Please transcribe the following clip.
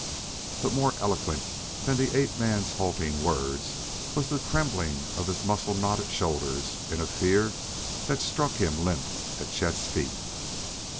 But more eloquent than the ape man's halting words was the trembling of his muscle knotted shoulders in a fear that struck him limp at Chet's feet.